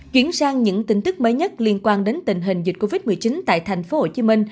chuyển sang những tin tức mới nhất liên quan đến tình hình dịch covid một mươi chín tại tp hcm